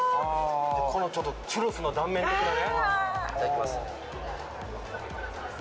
チュロスの断面的なね。